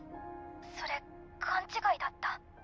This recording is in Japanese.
それ勘違いだった。